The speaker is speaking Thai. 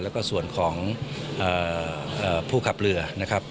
แล้วก็ส่วนของผู้ขับเรือนะครับ